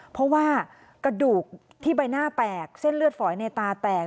เพราะว่ากระดูกที่ใบหน้าแตกเส้นเลือดฝอยในตาแตก